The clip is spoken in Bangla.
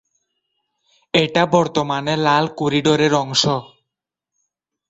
এটা বর্তমানে লাল করিডোরের অংশ।